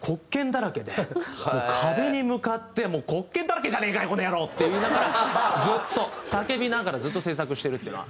もう壁に向かって「黒鍵だらけじゃねえかよこの野郎！」って言いながらずっと叫びながらずっと制作してるっていうのは。